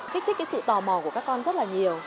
kích thích cái sự tò mò của các con rất là nhiều